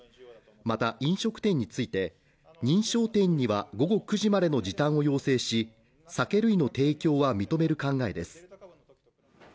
また飲食店について認証店には午後９時までの時短を要請し酒類の提供は認める考えです